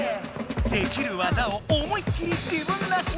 できる技を思いっきり自分らしく。